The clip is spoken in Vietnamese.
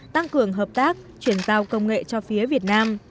tăng cường hợp tác chuyển giao công nghệ cho phía việt nam